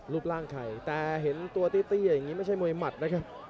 รูปร่างใครแต่เห็นตัวตี้อย่างนี้ไม่ใช่มวยหมัดนะครับ